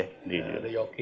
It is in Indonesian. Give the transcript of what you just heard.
ada yoki juga